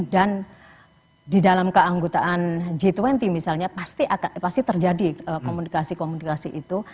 dan di dalam keanggotaan g dua puluh misalnya pasti terjadi komunikasi komunikasi itu